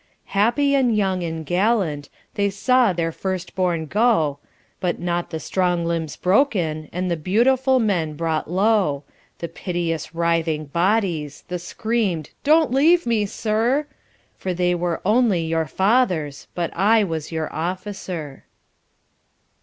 Happy and young and gallant, They saw their first bom go, 41 But not the strong limbs broken And the beautiful men brought low, The piteous writhing bodies, The screamed, " Don't leave me, Sir," For they were only your fathers But I was your officer.